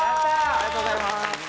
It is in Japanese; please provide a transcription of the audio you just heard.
ありがとうございます。